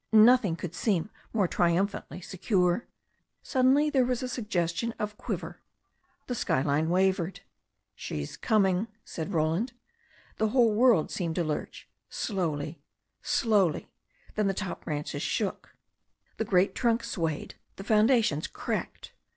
Nothing could seem more triumphantly secure. Suddenly there was a suggestion of quiver. The sky line wavered. "She's coming," said Roland. The whole world seemed to lurch, slowly, slowly ; then the top branches shook, the great trunk swayed, the foundations cracked.